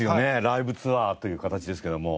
ライブツアーという形ですけども。